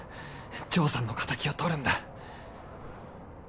丈さんの敵を取るんだ